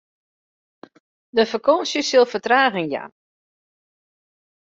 De fakânsje sil fertraging jaan.